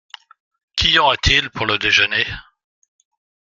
Qu’y aura-t-il pour le déjeuner ?